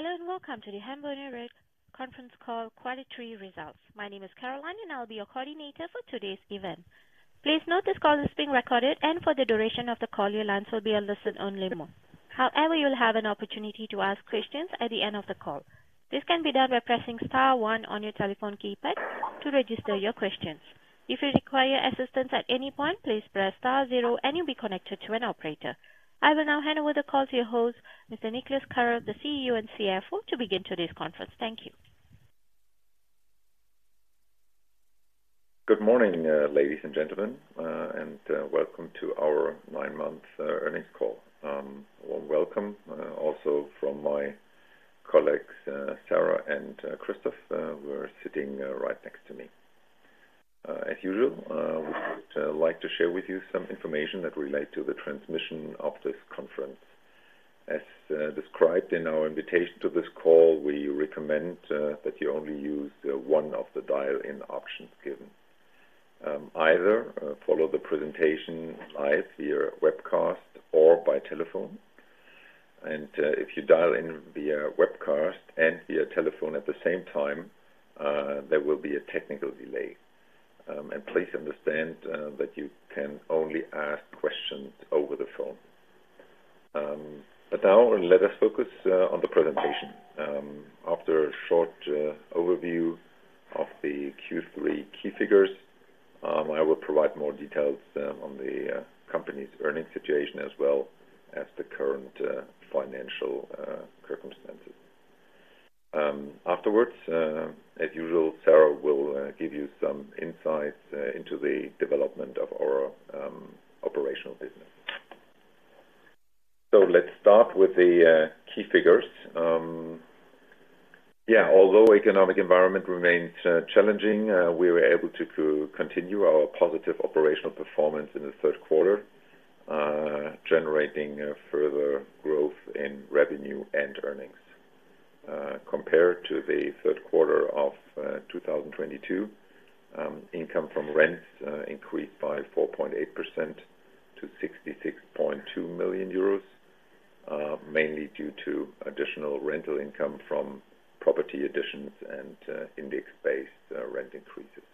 Hello, and welcome to the Hamborner REIT Conference Call Quarterly Results. My name is Caroline, and I'll be your coordinator for today's event. Please note this call is being recorded, and for the duration of the call, your lines will be on listen-only mode. However, you'll have an opportunity to ask questions at the end of the call. This can be done by pressing star one on your telephone keypad to register your questions. If you require assistance at any point, please press star zero, and you'll be connected to an operator. I will now hand over the call to your host, Mr. Niclas Karoff, the CEO and CFO, to begin today's conference. Thank you. Good morning, ladies and gentlemen, and welcome to our nine-month earnings call. Warm welcome also from my colleagues, Sarah and Christoph, who are sitting right next to me. As usual, we would like to share with you some information that relate to the transmission of this conference. As described in our invitation to this call, we recommend that you only use one of the dial-in options given. Either follow the presentation live via webcast or by telephone. And if you dial in via webcast and via telephone at the same time, there will be a technical delay. And please understand that you can only ask questions over the phone. But now let us focus on the presentation. After a short overview of the Q3 key figures, I will provide more details on the company's earnings situation, as well as the current financial circumstances. Afterwards, as usual, Sarah will give you some insights into the development of our operational business. So let's start with the key figures. Yeah, although economic environment remains challenging, we were able to continue our positive operational performance in the third quarter, generating further growth in revenue and earnings. Compared to the third quarter of 2022, income from rents increased by 4.8% to 66.2 million euros, mainly due to additional rental income from property additions and index-based rent increases.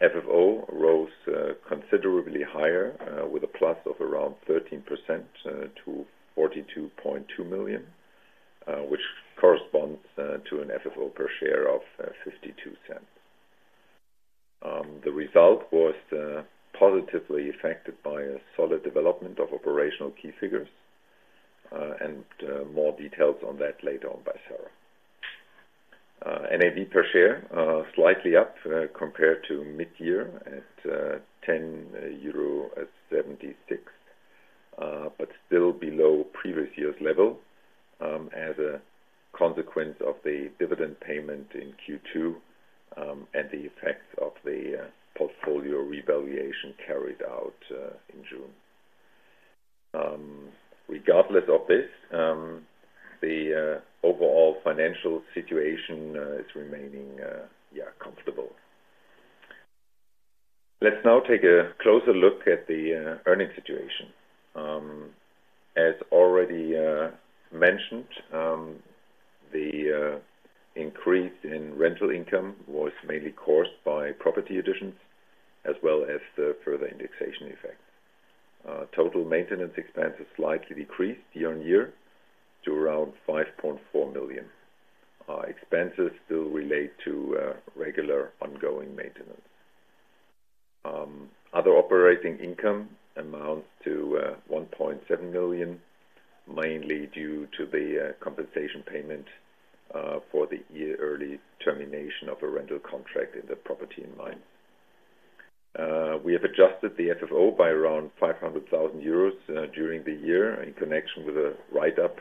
FFO rose considerably higher with a plus of around 13% to 42.2 million, which corresponds to an FFO per share of 0.52. The result was positively affected by a solid development of operational key figures, and more details on that later on by Sarah. NAV per share slightly up compared to mid-year at 10.76 euro, but still below previous year's level, as a consequence of the dividend payment in Q2, and the effect of the portfolio revaluation carried out in June. Regardless of this, the overall financial situation is remaining, yeah, comfortable. Let's now take a closer look at the earnings situation. As already mentioned, the increase in rental income was mainly caused by property additions as well as the further indexation effect. Total maintenance expenses slightly decreased year-on-year to around 5.4 million. Expenses still relate to regular, ongoing maintenance. Other operating income amounts to 1.7 million, mainly due to the compensation payment for the early termination of a rental contract in the property in Mainz. We have adjusted the FFO by around 500,000 euros during the year in connection with a write-up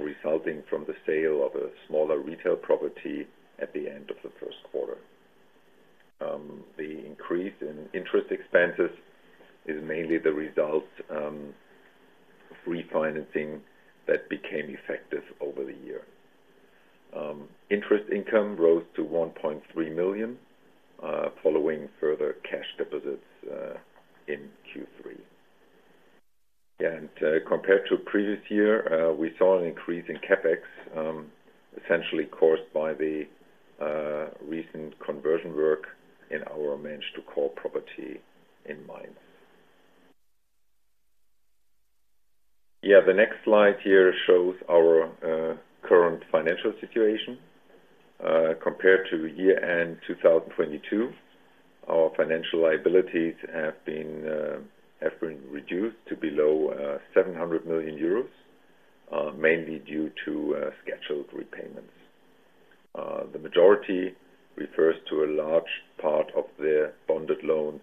resulting from the sale of a smaller retail property at the end of the first quarter. The increase in interest expenses is mainly the result of refinancing that became effective over the year. Interest income rose to 1.3 million following further cash deposits in Q3. Compared to previous year, we saw an increase in CapEx, essentially caused by the recent conversion work in our managed-to-core property in Mainz. The next slide here shows our current financial situation. Compared to year-end 2022, our financial liabilities have been reduced to below 700 million euros, mainly due to scheduled repayments. The majority refers to a large part of the bonded loans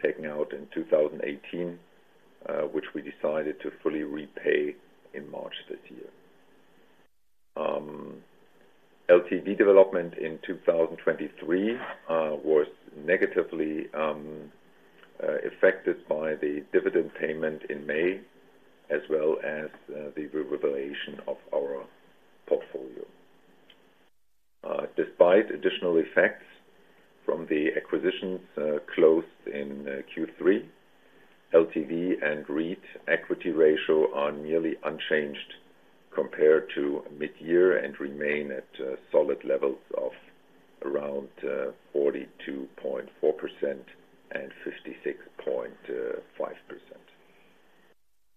taken out in 2018, which we decided to fully repay in March this year. LTV development in 2023 was negatively affected by the dividend payment in May, as well as the revaluation of our portfolio. Despite additional effects from the acquisitions closed in Q3, LTV and REIT equity ratio are nearly unchanged compared to mid-year and remain at solid levels of around 42.4% and 56.5%.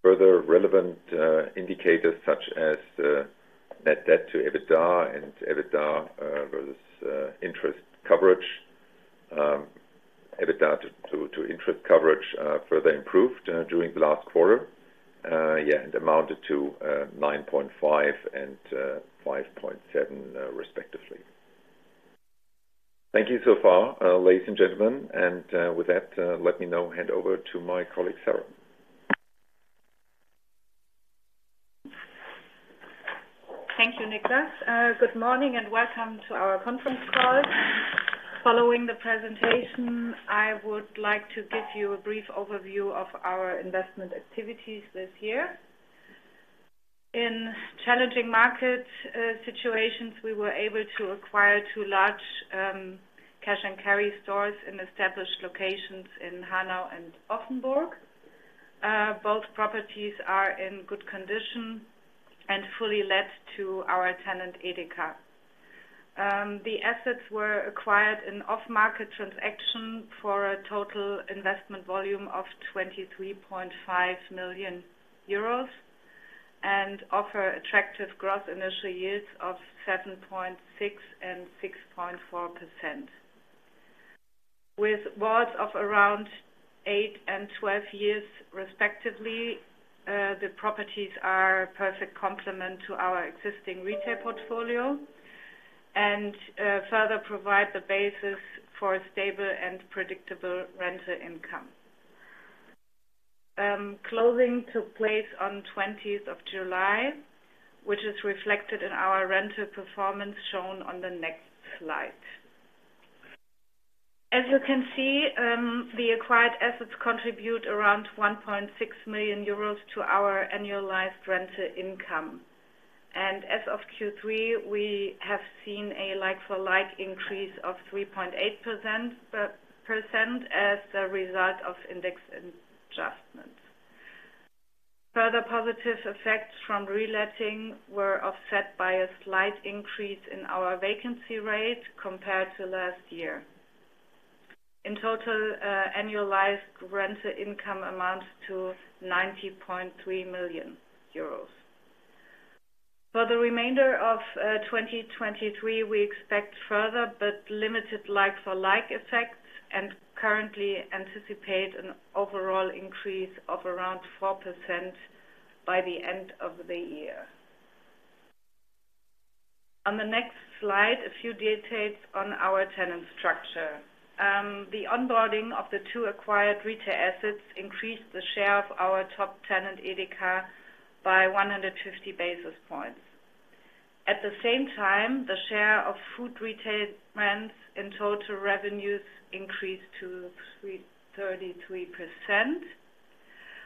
Further relevant indicators such as net debt to EBITDA and EBITDA versus interest coverage, EBITDA to interest coverage further improved during the last quarter and amounted to 9.5 and 5.7 respectively. Thank you so far, ladies and gentlemen, and with that, let me now hand over to my colleague, Sarah. Thank you, Niclas. Good morning and welcome to our conference call. Following the presentation, I would like to give you a brief overview of our investment activities this year. In challenging market situations, we were able to acquire two large cash and carry stores in established locations in Hanau and Offenburg. Both properties are in good condition and fully let to our tenant, EDEKA. The assets were acquired in off-market transaction for a total investment volume of 23.5 million euros, and offer attractive gross initial yields of 7.6% and 6.4%. With WALT of around eight and 12 years, respectively, the properties are a perfect complement to our existing retail portfolio, and further provide the basis for a stable and predictable rental income. Closing took place on 20th of July, which is reflected in our rental performance shown on the next slide. As you can see, the acquired assets contribute around 1.6 million euros to our annualized rental income. As of Q3, we have seen a like-for-like increase of 3.8%, percent as a result of index adjustments. Further positive effects from reletting were offset by a slight increase in our vacancy rate compared to last year. In total, annualized rental income amounts to 90.3 million euros. For the remainder of 2023, we expect further but limited like-for-like effects and currently anticipate an overall increase of around 4% by the end of the year. On the next slide, a few details on our tenant structure. The onboarding of the two acquired retail assets increased the share of our top tenant, EDEKA, by 150 basis points. At the same time, the share of food retail brands in total revenues increased to 33%.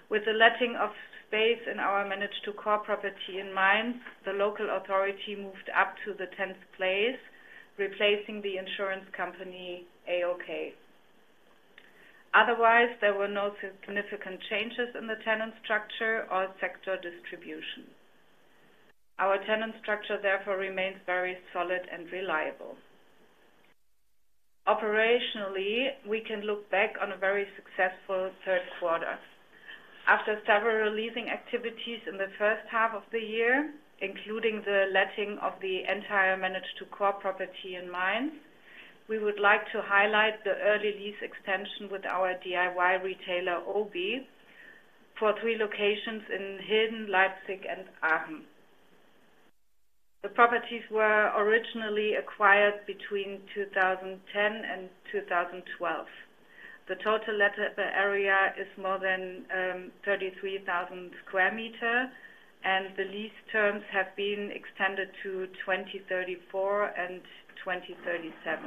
With the letting of space in our managed-to-core property in Mainz, the local authority moved up to the tenth place, replacing the insurance company, AOK. Otherwise, there were no significant changes in the tenant structure or sector distribution. Our tenant structure, therefore, remains very solid and reliable. Operationally, we can look back on a very successful third quarter. After several leasing activities in the first half of the year, including the letting of the entire managed-to-core property in Mainz, we would like to highlight the early lease extension with our DIY retailer, OBI, for three locations in Hilden, Leipzig, and Aachen. The properties were originally acquired between 2010 and 2012. The total lettable area is more than 33,000 sq m, and the lease terms have been extended to 2034 and 2037.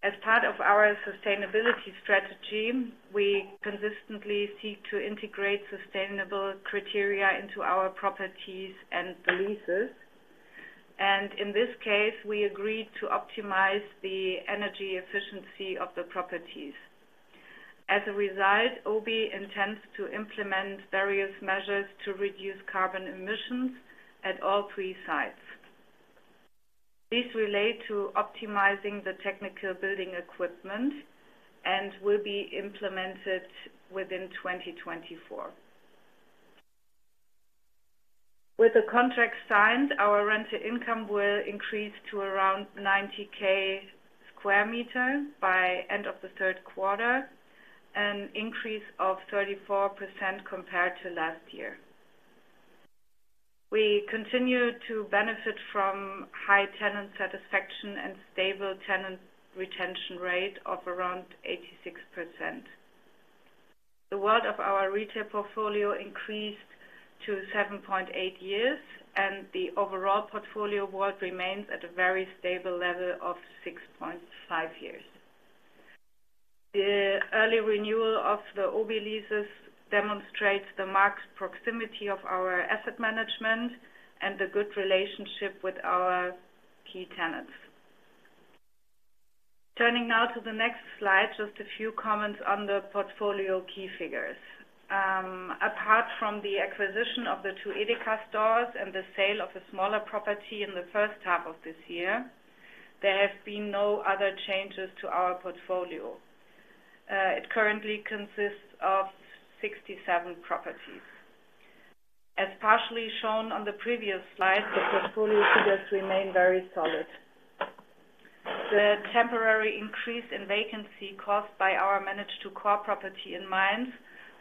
As part of our sustainability strategy, we consistently seek to integrate sustainable criteria into our properties and the leases, and in this case, we agreed to optimize the energy efficiency of the properties. As a result, OBI intends to implement various measures to reduce carbon emissions at all three sites. These relate to optimizing the technical building equipment and will be implemented within 2024. With the contract signed, our rental income will increase to around 90/sq m by end of the third quarter, an increase of 34% compared to last year. We continue to benefit from high tenant satisfaction and stable tenant retention rate of around 86%. The WAF of our retail portfolio increased to 7.8 years, and the overall portfolio WAF remains at a very stable level of 6.5 years. The early renewal of the OBI leases demonstrates the marked proximity of our asset management and the good relationship with our key tenants. Turning now to the next slide, just a few comments on the portfolio key figures. Apart from the acquisition of the two EDEKA stores and the sale of a smaller property in the first half of this year, there have been no other changes to our portfolio. It currently consists of 67 properties. As partially shown on the previous slide, the portfolio figures remain very solid. The temporary increase in vacancy caused by our managed-to-core property in Mainz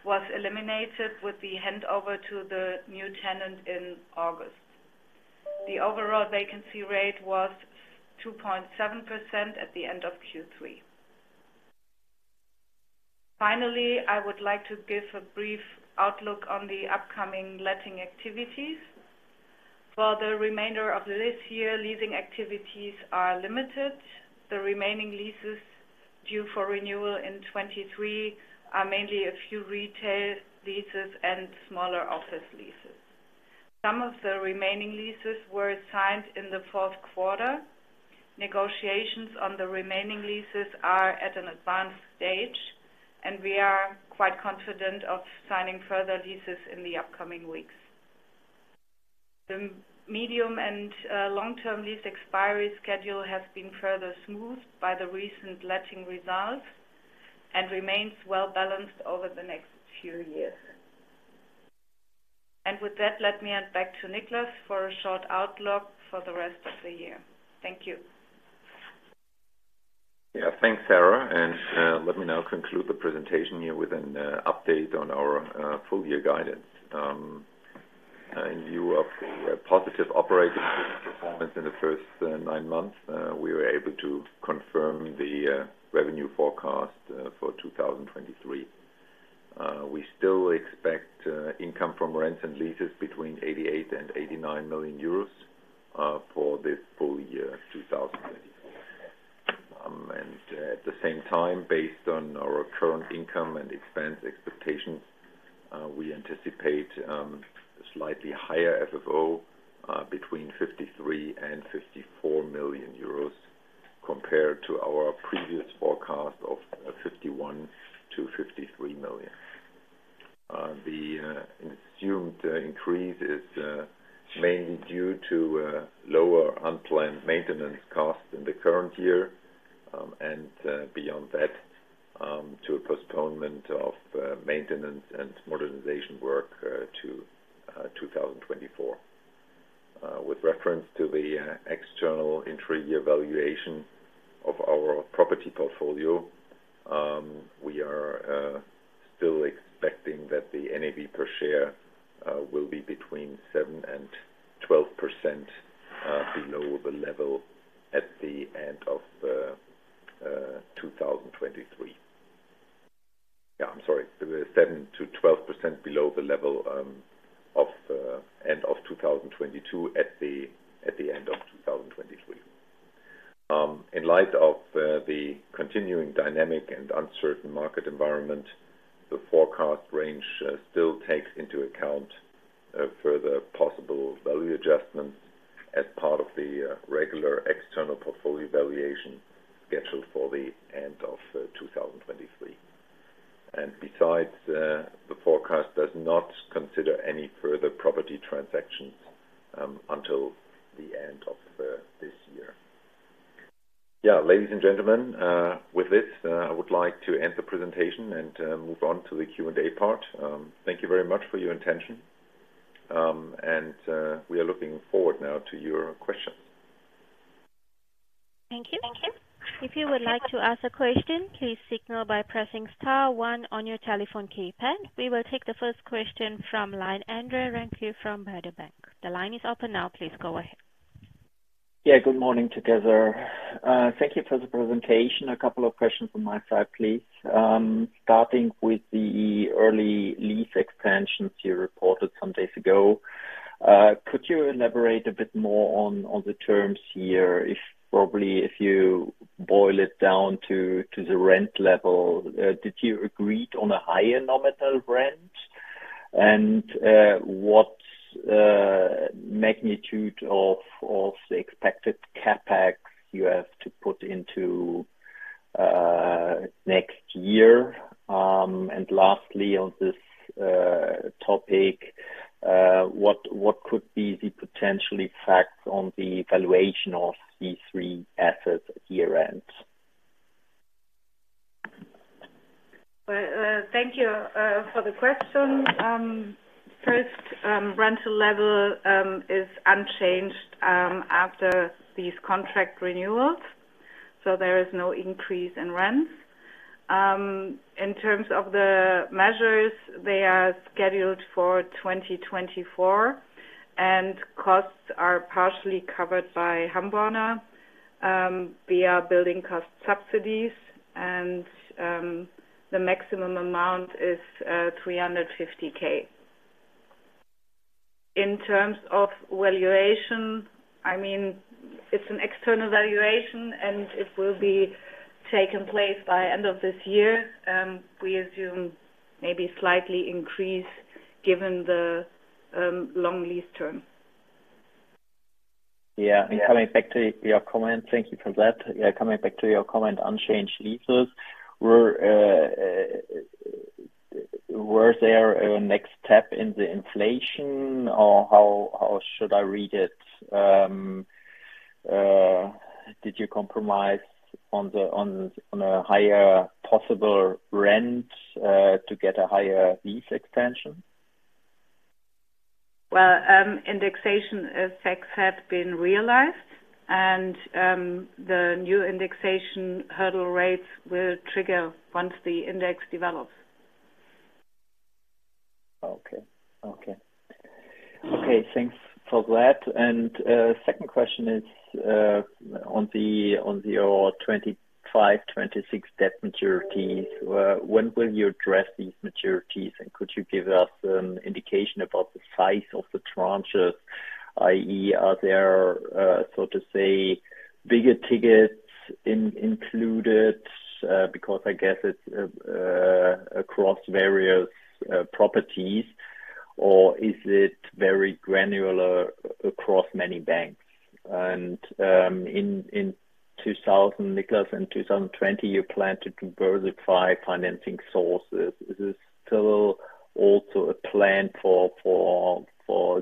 was eliminated with the handover to the new tenant in August. The overall vacancy rate was 2.7% at the end of Q3. Finally, I would like to give a brief outlook on the upcoming letting activities. For the remainder of this year, leasing activities are limited. The remaining leases due for renewal in 2023 are mainly a few retail leases and smaller office leases. Some of the remaining leases were signed in the fourth quarter. Negotiations on the remaining leases are at an advanced stage, and we are quite confident of signing further leases in the upcoming weeks. The medium and long-term lease expiry schedule has been further smoothed by the recent letting results and remains well balanced over the next few years. And with that, let me hand back to Niclas for a short outlook for the rest of the year. Thank you. Yeah, thanks, Sarah. Let me now conclude the presentation here with an update on our full year guidance. In view of the positive operating performance in the first nine months, we were able to confirm the revenue forecast for 2023. We still expect income from rents and leases between 88 million and 89 million euros for this full year, 2023. And at the same time, based on our current income and expense expectations, we anticipate a slightly higher FFO between 53 million and 54 million euros, compared to our previous forecast of 51 million-53 million. The assumed increase is mainly due to lower unplanned maintenance costs in the current year, and beyond that, to a postponement of maintenance and modernization work to 2024. With reference to the external entry evaluation of our property portfolio, we are still expecting that the NAV per share will be between 7% and 12% below the level at the end of 2023. Yeah, I'm sorry, 7%-12% below the level of end of 2022, at the end of 2023. In light of the continuing dynamic and uncertain market environment, the forecast range still takes into account further possible value adjustments as part of the regular external portfolio valuation scheduled for the end of 2023. And besides, the forecast does not consider any further property transactions until the end of this year. Yeah, ladies and gentlemen, with this, I would like to end the presentation and move on to the Q&A part. Thank you very much for your attention, and we are looking forward now to your questions. Thank you. If you would like to ask a question, please signal by pressing star one on your telephone keypad. We will take the first question from line, Andre Remke from Baader Bank. The line is open now. Please go ahead. Yeah, good morning, together. Thank you for the presentation. A couple of questions from my side, please. Starting with the early lease extensions you reported some days ago. Could you elaborate a bit more on the terms here? If probably if you boil it down to the rent level, did you agreed on a higher nominal rent? And what magnitude of the expected CapEx you have to put into next year? And lastly, on this topic, what could be the potential impact on the valuation of these three assets year end? Well, thank you for the question. First, rental level is unchanged after these contract renewals, so there is no increase in rents. In terms of the measures, they are scheduled for 2024, and costs are partially covered by Hamborner via building cost subsidies, and the maximum amount is 350,000. In terms of valuation, I mean, it's an external valuation, and it will be taken place by end of this year. We assume maybe slightly increase given the long lease term. Yeah. And coming back to your comment, thank you for that. Yeah, coming back to your comment, unchanged leases. Were there a next step in the inflation, or how should I read it? Did you compromise on a higher possible rent to get a higher lease extension? Well, indexation effects have been realized, and the new indexation hurdle rates will trigger once the index develops. Okay. Okay. Okay, thanks for that. Second question is on your 25, 26 debt maturities. When will you address these maturities, and could you give us an indication about the size of the tranches? I.e., are there so to say, bigger tickets included, because I guess it's across various properties, or is it very granular across many banks? In 2020, Niclas, you plan to diversify financing sources. Is this still also a plan for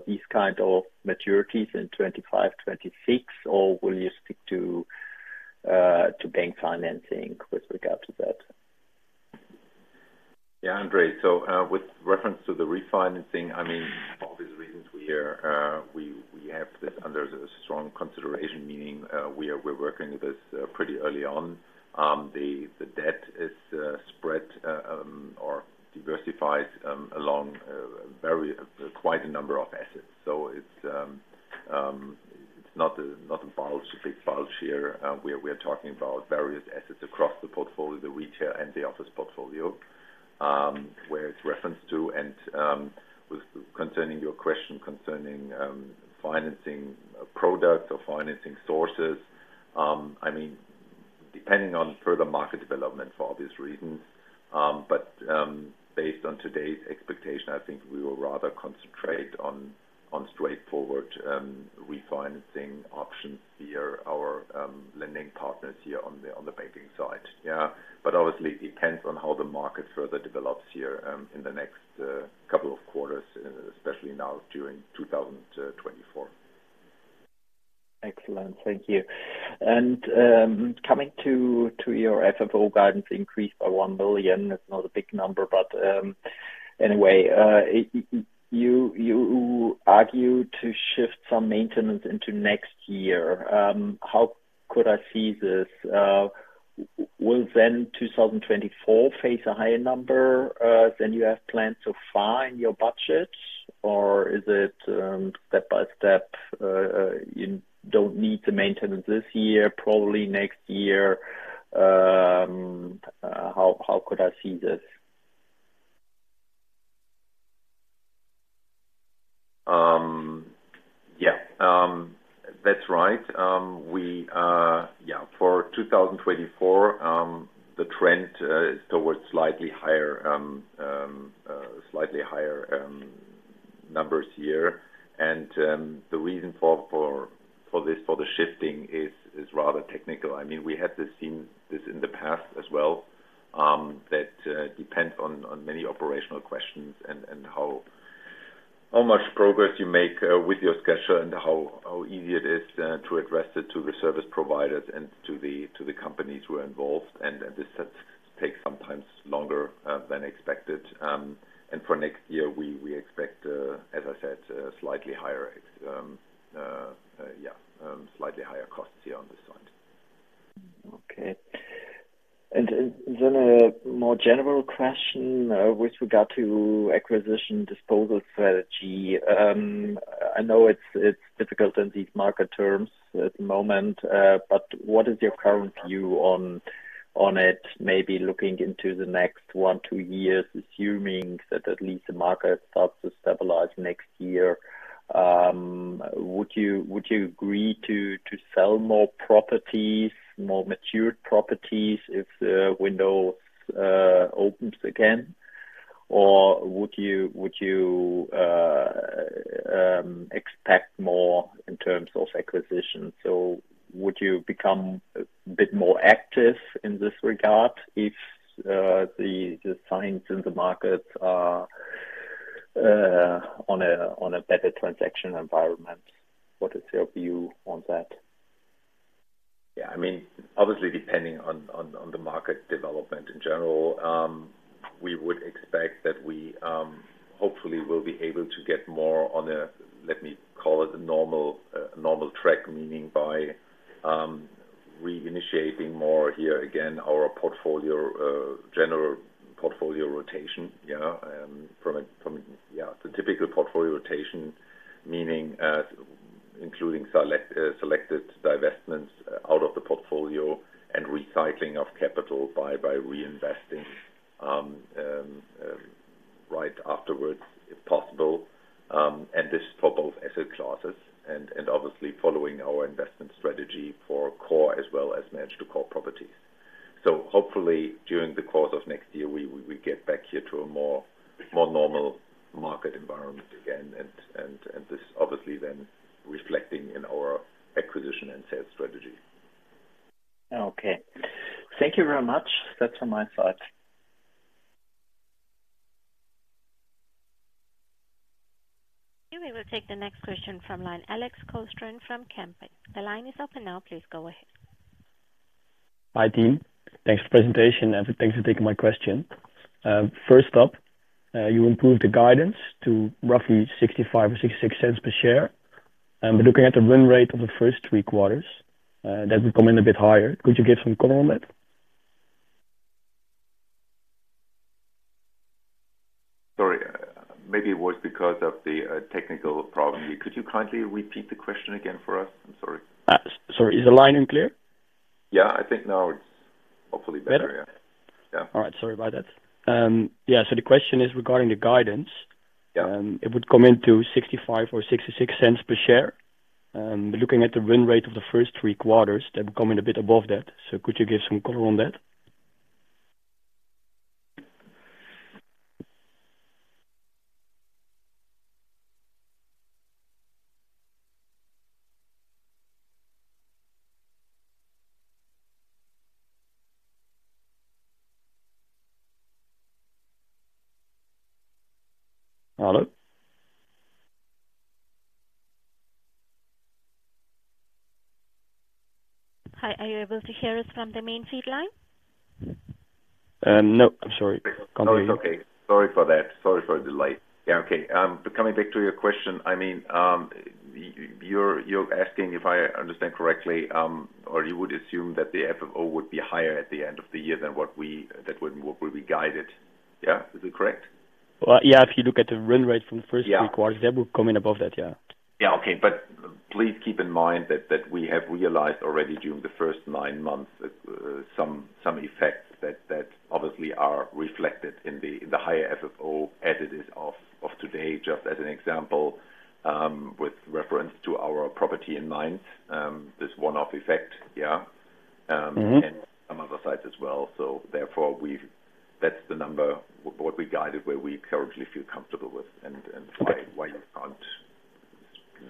these kind of maturities in 25, 26, or will you stick to bank financing with regard to that? Yeah, Andre, so, with reference to the refinancing, I mean, for obvious reasons, we have this under strong consideration, meaning, we're working with this pretty early on. The debt is spread or diversified along quite a number of assets. So it's not a big bulge here. We are talking about various assets across the portfolio, the retail and the office portfolio, where it's referenced to. And, with concerning your question concerning financing products or financing sources, I mean, depending on further market development, for obvious reasons. But, based on today's expectation, I think we will rather concentrate on straightforward refinancing options via our lending partners here on the banking side. Yeah, but obviously, it depends on how the market further develops here in the next couple of quarters, especially now during 2024. Excellent. Thank you. Coming to your FFO guidance increased by 1 million. It's not a big number, but anyway, you argue to shift some maintenance into next year. How could I see this? Will then 2024 face a higher number than you have planned to find your budget? Or is it step by step, you don't need the maintenance this year, probably next year? How could I see this? Yeah, that's right. Yeah, for 2024, the trend is towards slightly higher numbers here. And the reason for this, for the shifting is rather technical. I mean, we have just seen this in the past as well, that depends on many operational questions and how much progress you make with your schedule and how easy it is to address it to the service providers and to the companies who are involved. And this takes sometimes longer than expected. And for next year, we expect, as I said, a slightly higher rate. Yeah, slightly higher costs here on this side. Okay. And then a more general question, with regard to acquisition disposal strategy. I know it's, it's difficult in these market terms at the moment, but what is your current view on, on it? Maybe looking into the next 1-2 years, assuming that at least the market starts to stabilize next year. Would you, would you agree to, to sell more properties, more matured properties, if the window opens again? Or would you, would you, expect more in terms of acquisition? So would you become a bit more active in this regard if the, the signs in the markets are on a, on a better transaction environment? What is your view on that? Yeah, I mean, obviously, depending on, on, on the market development in general, we would expect that we, hopefully will be able to get more on a, let me call it a normal, normal track. Meaning by, reinitiating more here, again, our portfolio, general portfolio rotation, yeah. From a, from, yeah, the typical portfolio rotation, meaning, including select, selected divestments out of the portfolio and recycling of capital by, by reinvesting, right afterwards, if possible. And this for both asset classes and, and, obviously following our investment strategy for core as well as managed to core properties. So hopefully, during the course of next year, we, we, get back here to a more, more normal market environment again, and, and, and this obviously then reflecting in our acquisition and sales strategy. Okay. Thank you very much. That's on my side. We will take the next question from line, Alex Kolsteren from Kempen. The line is open now, please go ahead. Hi, team. Thanks for the presentation, and thanks for taking my question. First up, you improved the guidance to roughly 0.65 or 0.66 per share. And we're looking at the run rate of the first three quarters, that would come in a bit higher. Could you give some color on that? Sorry, maybe it was because of the technical problem here. Could you kindly repeat the question again for us? I'm sorry. Sorry. Is the line unclear? Yeah. I think now it's hopefully better. Better? Yeah. All right. Sorry about that. Yeah, so the question is regarding the guidance. Yeah. It would come into 0.65 or 0.66 per share. Looking at the run rate of the first three quarters, they've come in a bit above that. So could you give some color on that? Hello? Hi, are you able to hear us from the main feed line? No, I'm sorry. No, it's okay. Sorry for that. Sorry for the delay. Yeah. Okay, but coming back to your question, I mean, you're, you're asking if I understand correctly, or you would assume that the FFO would be higher at the end of the year than what we guided. Yeah. Is it correct? Well, yeah, if you look at the run rate from the first- Yeah -quarter, that would come in above that. Yeah. Yeah. Okay. But please keep in mind that we have realized already during the first nine months some effects that obviously are reflected in the higher FFO, as it is of today, just as an example, with reference to our property in Mainz, this one-off effect, yeah. Mm-hmm. and some other sides as well. So therefore, we've. That's the number, what we guided, where we currently feel comfortable with, and why you can't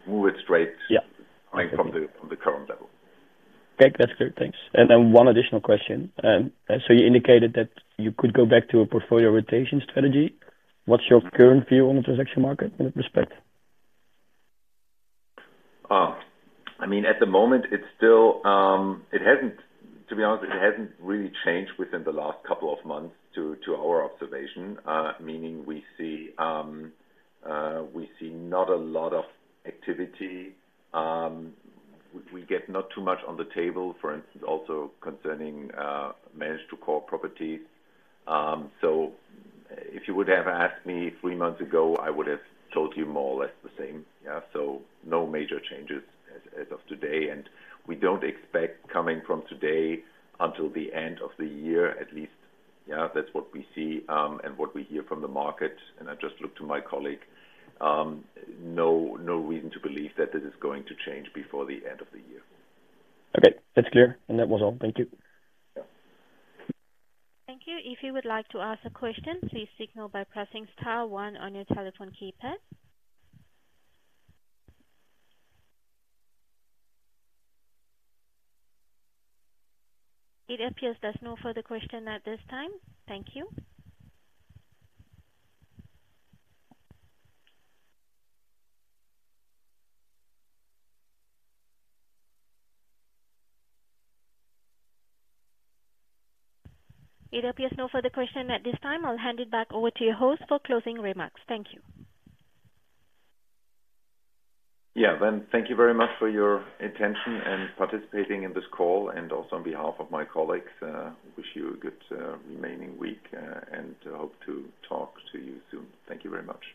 move it straight- Yeah. From the current level. Okay, that's clear. Thanks. One additional question. You indicated that you could go back to a portfolio rotation strategy. What's your current view on the transaction market in that respect? I mean, at the moment, it's still. To be honest, it hasn't really changed within the last couple of months to our observation. Meaning we see not a lot of activity. We get not too much on the table, for instance, also concerning managed-to-core properties. So if you would have asked me three months ago, I would have told you more or less the same. Yeah, so no major changes as of today, and we don't expect coming from today until the end of the year, at least. Yeah, that's what we see, and what we hear from the market. And I just looked to my colleague, no reason to believe that this is going to change before the end of the year. Okay. That's clear. And that was all. Thank you. Yeah. Thank you. If you would like to ask a question, please signal by pressing star one on your telephone keypad. It appears there's no further question at this time. Thank you. It appears no further question at this time. I'll hand it back over to your host for closing remarks. Thank you. Yeah. Then thank you very much for your attention and participating in this call, and also on behalf of my colleagues, wish you a good, remaining week, and hope to talk to you soon. Thank you very much.